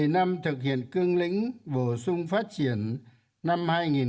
một mươi năm thực hiện cương lĩnh bổ sung phát triển năm hai nghìn một mươi một